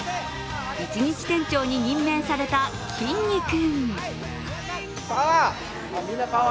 １日店長に任命されたきんに君。